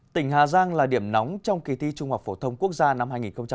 tỉnh hà giang là điểm nóng trong kỳ thi trung học phổ thông quốc gia năm hai nghìn một mươi tám